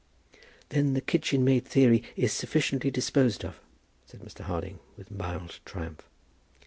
"Then the kitchen maid theory is sufficiently disposed of," said Mr. Harding, with mild triumph.